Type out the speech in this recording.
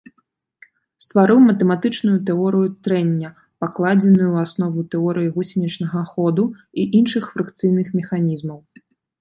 Стварыў матэматычную тэорыю трэння, пакладзеную ў аснову тэорыі гусенічнага ходу і іншых фрыкцыйных механізмаў.